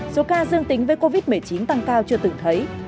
số ca dương tính với covid một mươi chín tăng cao chưa từng thấy